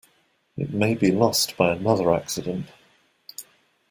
It may be lost by another accident.